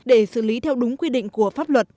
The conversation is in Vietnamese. để xử lý theo đúng quy định của pháp luật